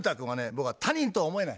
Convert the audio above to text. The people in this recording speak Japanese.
僕は他人とは思えない。